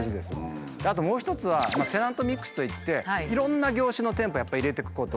あともう一つは「テナントミックス」といっていろんな業種の店舗を入れていくこと。